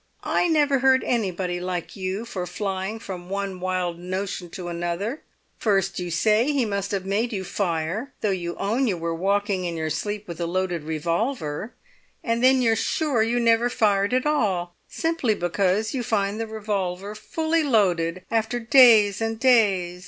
"I never heard anybody like you for flying from one wild notion to another; first you say he must have made you fire, though you own you were walking in your sleep with a loaded revolver, and then you're sure you never fired at all, simply because you find the revolver fully loaded after days and days!